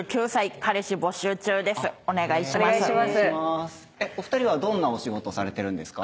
お二人はどんなお仕事されてるんですか？